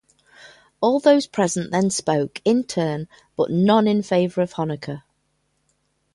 All those present then spoke, in turn, but none in favour of Honecker.